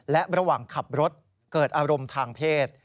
และระหว่างขับรถเกิดอารมณ์ทางเพศ